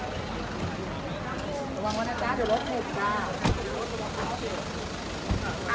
ระวังรถน่ะจ้าเดี๋ยวรถถูกจ้า